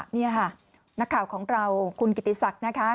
นี่ค่ะนักข่าวของเราคุณกิติศักดิ์นะคะ